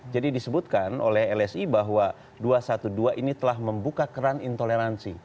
jadi disebutkan oleh lsi bahwa dua ratus dua belas ini telah membuka keran intoleransi